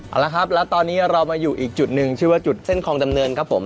เอาละครับแล้วตอนนี้เรามาอยู่อีกจุดหนึ่งชื่อว่าจุดเส้นคลองดำเนินครับผม